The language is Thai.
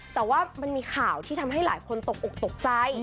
แต่ว่ามันมีข่าวที่ทำให้หลายคนตกอกตกใจ